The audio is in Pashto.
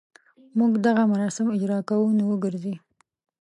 موږ دغه مراسم اجراء کوو نو وګرځي.